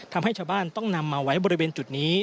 ทำให้ชาวบ้านต้องนำมาไว้บริเวณจุดนี้